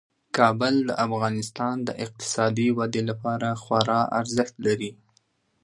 کابل د افغانستان د اقتصادي ودې لپاره خورا ارزښت لري.